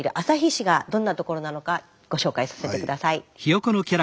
市がどんな所なのかご紹介させて下さい。